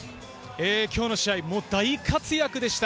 今日の試合、大活躍でした。